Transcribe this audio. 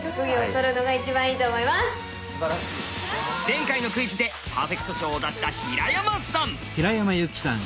前回のクイズでパーフェクト賞を出した平山さん！